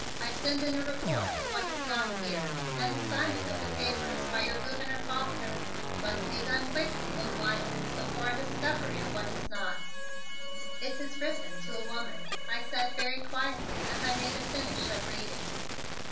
I send in a report of what is not here and the signing of the papers by your Gouverneur Faulkner must be done quickly in blindness before a discovery of what is not " "It is written to a woman," I said very quietly as I made a finish of reading.